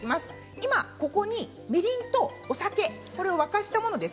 今ここにみりんと酒沸かしたものです。